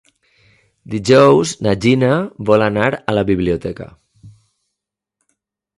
Dijous na Gina vol anar a la biblioteca.